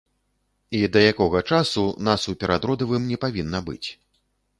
І да якога часу нас у перадродавым не павінна быць.